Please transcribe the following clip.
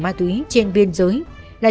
đối tượng sẽ bắt đối tượng đi